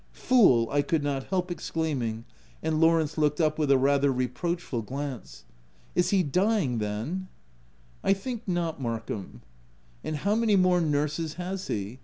"Fool!" I could not help exclaiming—and OF WILDFELL HALL. 193 Lawrence looked up with a rather reproachful glance. " Is he dying then V 9 ct I think not, Markham." " And how many more nurses has he?